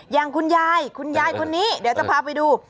อย่างคุณยายคุณยายคนนี้เดี๋ยวจะพาไปดู